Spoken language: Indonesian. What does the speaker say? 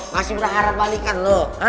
masih berharap balikan lu